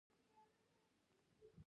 پښتو ډير کار ته اړتیا لري.